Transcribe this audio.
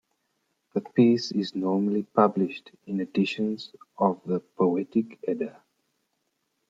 The piece is normally published in editions of the "Poetic Edda".